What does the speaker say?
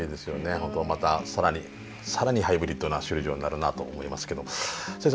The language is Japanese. また更に更にハイブリッドな首里城になるなと思いますけど先生